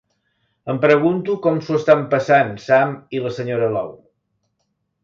Em pregunto com s'ho estan passant Sam i la senyora Law.